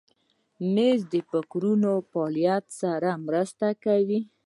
مېز له فکري فعالیت سره مرسته کوي.